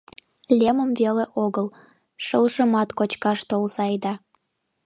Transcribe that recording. Лемым веле огыл — шылжымат кочкаш толза айда...